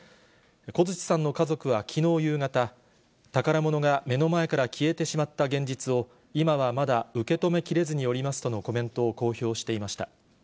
小槌さんの家族はきのう夕方、宝物が目の前から消えてしまった現実を、今はまだ受け止めきれずにおりますとのコメントを公表していました。